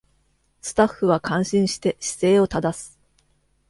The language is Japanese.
スタッフは感心して姿勢を正す